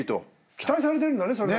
期待されてるんだねそれだけ。